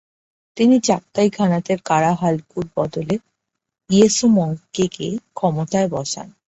তিনি চাগাতাই খানাতের কারা হালাকুর বদলে ইয়েসু মংকেকে ক্ষমতায় বসান।